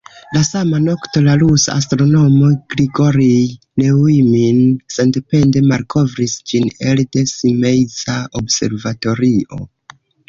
La sama nokto, la rusa astronomo Grigorij Neujmin sendepende malkovris ĝin elde Simeiza observatorio.